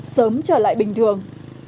sớm trở lại bình thường